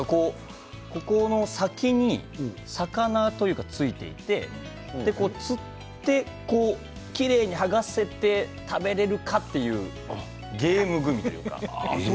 この先に魚がついていて釣ってきれいに剥がして食べられるかというゲームグミですね。